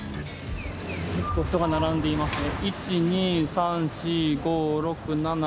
人が並んでいますね。